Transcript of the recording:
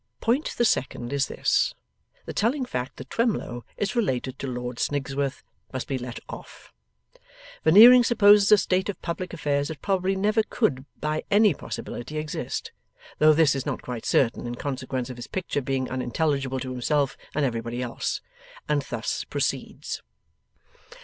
Point the second is this. The telling fact that Twemlow is related to Lord Snigsworth, must be let off. Veneering supposes a state of public affairs that probably never could by any possibility exist (though this is not quite certain, in consequence of his picture being unintelligible to himself and everybody else), and thus proceeds.